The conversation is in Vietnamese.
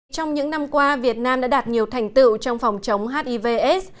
trong những năm qua việt nam đã đạt nhiều thành tựu trong phòng chống hiv aids